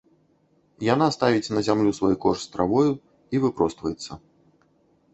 Яна ставіць на зямлю свой кош з травою і выпростваецца.